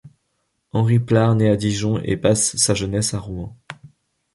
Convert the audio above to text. Henri Plard naît à Dijon et passe sa jeunesse à Rouen.